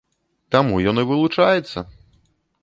Таму ён і вылучаецца.